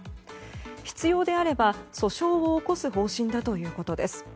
必要であれば訴訟を起こす方針だということです。